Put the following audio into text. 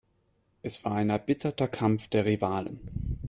Es war ein erbitterter Kampf der Rivalen.